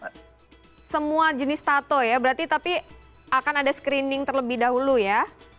jadi semua jenis tato ya berarti tapi akan ada screening terlebih dahulu ya